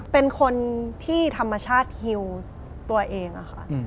เป็นคนที่ธรรมชาติฮิวตัวเองค่ะ